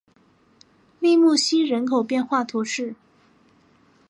利穆西人口变化图示